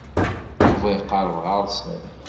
Yuba iqerreb ɣer-sen.